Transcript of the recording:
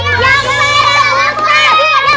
yang salah amalia